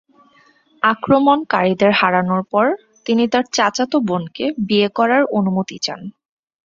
আক্রমণকারীদের হারানো পর, তিনি তার চাচাত বোনকে বিয়ে করার অনুমতি চান।